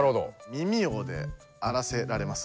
耳王であらせられます